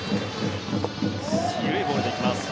緩いボールで来ます。